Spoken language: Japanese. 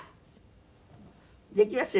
できますよ